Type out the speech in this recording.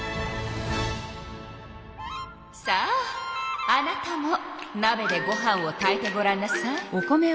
さああなたもなべでご飯を炊いてごらんなさい。